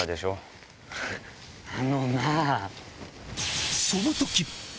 あのなぁ。